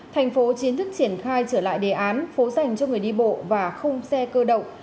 thành phố chính thức triển khai trở lại đề án phố dành cho người đi bộ và khung xe cơ động